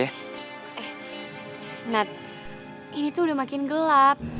eh ini tuh udah makin gelap